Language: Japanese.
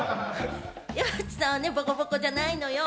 山内さん、ボコボコじゃないのよ。